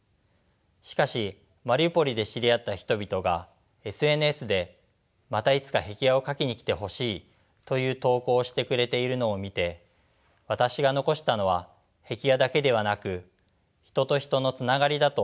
しかしマリウポリで知り合った人々がＳＮＳでまたいつか壁画を描きに来てほしいという投稿をしてくれているのを見て私が残したのは壁画だけではなく人と人のつながりだと気付かされました。